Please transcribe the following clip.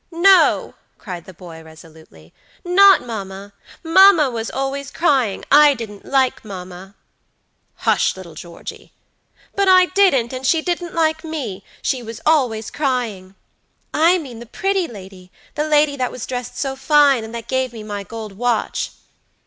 "No," cried the boy resolutely, "not mamma. Mamma was always crying. I didn't like mamma" "Hush, little Georgey!" "But I didn't, and she didn't like me. She was always crying. I mean the pretty lady; the lady that was dressed so fine, and that gave me my gold watch."